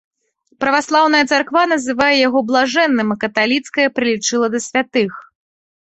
Праваслаўная царква называе яго блажэнным, а каталіцкая прылічыла да святых.